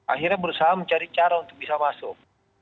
akhirnya berusaha mencari cara untuk bisa masuk